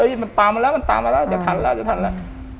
มันตามมาแล้วมันตามมาแล้วจะทันแล้วจะทันแล้ว